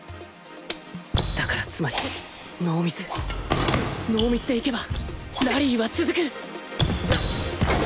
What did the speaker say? だからつまりノーミスノーミスでいけばラリーは続く！